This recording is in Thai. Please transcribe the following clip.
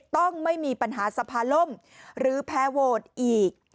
ต้องไม่มีปัญหาสภาล่มหรือแพ้โหวตอีก